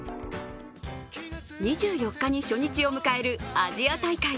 ２４日に初日を迎えるアジア大会。